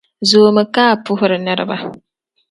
zoomi ka a puhiri niriba.